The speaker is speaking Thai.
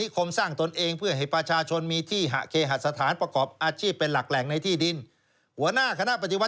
เขาบอกว่า